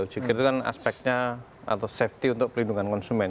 jikir itu kan aspeknya atau safety untuk pelindungan konsumen